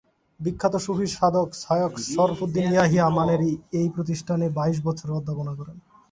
বিখ্যাত সুফি সাধক শায়খ শরফুদ্দীন ইয়াহিয়া মানেরী এ প্রতিষ্ঠানে বাইশ বছর অধ্যাপনা করেন।